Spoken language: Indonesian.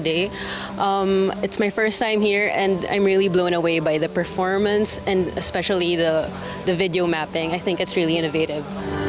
ini pertama kali saya berada di sini dan saya sangat terkejut dengan performa dan video mapping saya pikir ini sangat inovatif